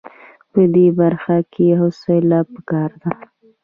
په دې برخه کې حوصله په کار ده.